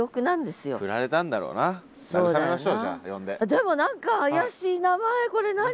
でも何か怪しい名前これ何？